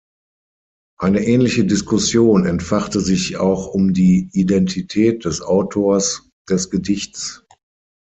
Eine ähnliche Diskussion entfachte sich auch um die Identität des Autors des Gedichts.